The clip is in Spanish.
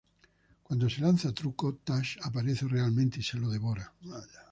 Cuando se lanza Truco, Tash aparece realmente y se lo devora.